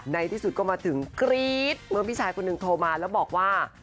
ในที่สุดก็มาถึงกรี๊ดเมื่อพี่ชายคนหนึ่งโทรมาแล้วบอกว่า